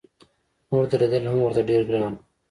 نور درېدل هم ورته ډېر ګران و.